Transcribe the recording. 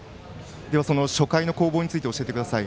その初回の攻防について教えてください。